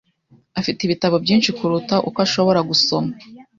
Afite ibitabo byinshi kuruta uko ashobora gusoma .